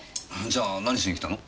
じゃあ何しにきたの？